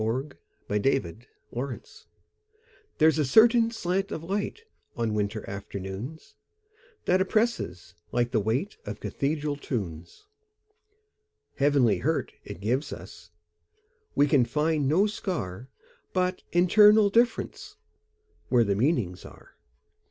Part Two: Nature LXXXII THERE'S a certain slant of light, On winter afternoons, That oppresses, like the weightOf cathedral tunes. Heavenly hurt it gives us; We can find no scar, But internal differenceWhere the meanings are.